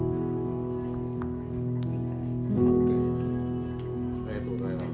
ＯＫありがとうございます。